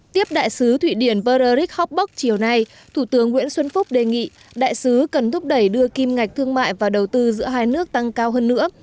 tiếp đại sứ thụy điển beraric hotberg chiều nay thủ tướng nguyễn xuân phúc đề nghị đại sứ cần thúc đẩy đưa kim ngạch thương mại và đầu tư giữa hai nước tăng cao hơn nữa